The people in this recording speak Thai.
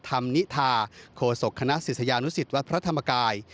ธรรมนิทาโคศกคณะศิษยานุสิตวัดพระธรรมกาย